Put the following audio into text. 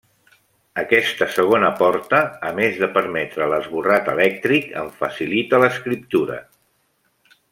Aquesta segona porta, a més de permetre l'esborrat elèctric, en facilita l'escriptura.